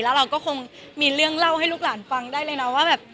แล้วเราก็คงมีเรื่องเล่าให้ลูกหลานฟังได้เลยนะว่าแบบ